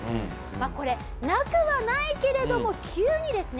これなくはないけれども急にですね